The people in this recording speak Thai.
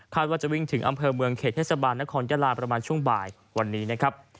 ว่าจะวิ่งถึงอำเภอเมืองเขตเทศบาลนครยาลาประมาณช่วงบ่ายวันนี้นะครับ